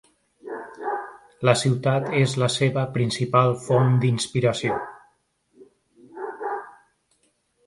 La ciutat és la seva principal font d’inspiració.